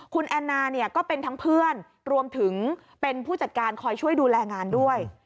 คุณแอนนาเนี่ยก็เป็นทั้งเพื่อนรวมถึงเป็นผู้จัดการคอยช่วยดูแลงานด้วย